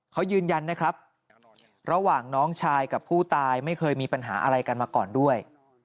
เขายืนยันนะครับระหว่างน้องชายกับผู้ตายไม่เคยมีปัญหาอะไรกันมาก่อนด้วย